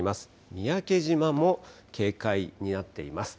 三宅島も警戒になっています。